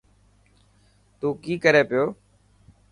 تون ڪي ڪري پيو.